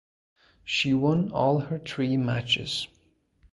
She won all her three matches.